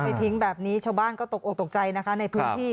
ทิ้งแบบนี้ชาวบ้านก็ตกออกตกใจนะคะในพื้นที่